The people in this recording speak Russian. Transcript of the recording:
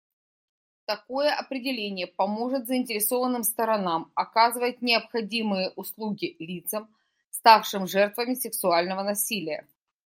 Такое определение поможет заинтересованным сторонам оказывать необходимые услуги лицам, ставшим жертвами сексуального насилия.